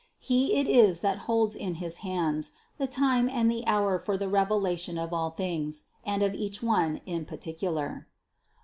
He it is that holds in his hands the time and the hour for the revelation of all things, and of each one in particular.